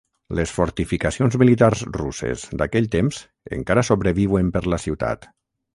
Les fortificacions militars russes d'aquell temps encara sobreviuen per la ciutat.